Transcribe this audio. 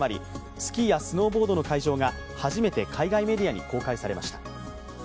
スキーやスノーボードの会場が初めて海外メディアに公開されました。